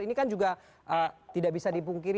ini kan juga tidak bisa dipungkiri